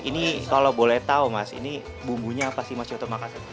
ini kalau boleh tahu mas ini bumbunya apa sih mas yoto makassar